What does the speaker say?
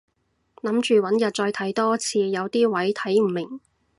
諗住搵日再睇多次，有啲位睇唔明